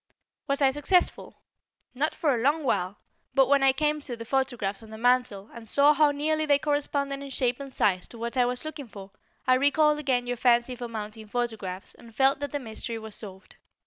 Was I successful? Not for a long while, but when I came to the photographs on the mantel and saw how nearly they corresponded in shape and size to what I was looking for, I recalled again your fancy for mounting photographs and felt that the mystery was solved.